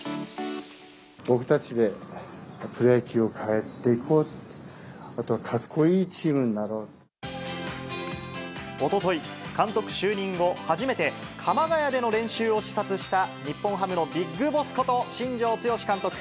僕たちでプロ野球を変えていこう、あとは、かっこいいチームおととい、監督就任後初めて鎌ケ谷での練習を視察した日本ハムのビッグボスこと、新庄剛志監督。